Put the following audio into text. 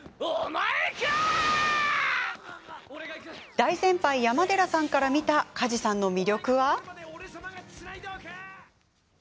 大先輩、山寺さんから見た梶さんの魅力は？